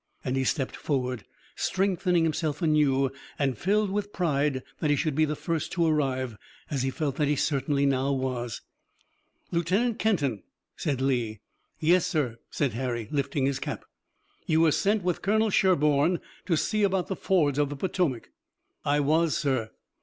and he stepped forward, strengthening himself anew and filled with pride that he should be the first to arrive, as he felt that he certainly now was. "Lieutenant Kenton!" said Lee. "Yes, sir," said Harry, lifting his cap. "You were sent with Colonel Sherburne to see about the fords of the Potomac." "I was, sir."